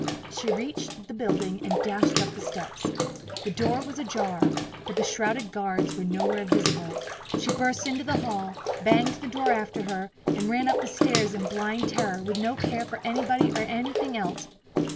She reached the building and dashed up the steps. The door was ajar, but the shrouded guards were nowhere visible. She burst into the hall, banged the door after her, and ran up the stairs in blind terror, with no care for anybody, or anything else!